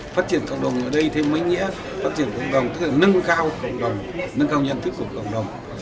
phát triển cộng đồng ở đây thì mới nghĩa phát triển cộng đồng tức là nâng cao cộng đồng nâng cao nhân thức của cộng đồng